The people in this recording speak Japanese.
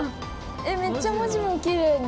めっちゃ文字もきれいに。